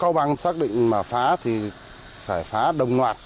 chúng tôi đang xác định mà phá thì phải phá đồng loạt